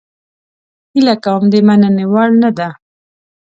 هیله کوم د مننې وړ نه ده